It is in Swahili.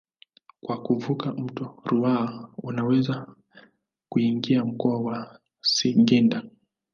Kwa kuvuka mto Ruaha unaweza kuingia mkoa wa Singida.